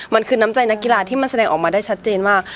มันคือน้ำใจนักกีฬาที่มันแสดงออกมาได้ชัดเจนว่า